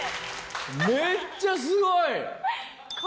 めっちゃすごい！